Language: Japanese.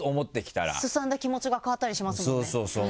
すさんだ気持ちが変わったりしますもんね。